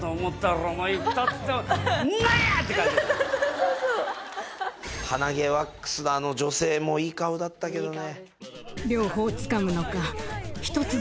そうそうそう鼻毛ワックスのあの女性もいい顔だったけどね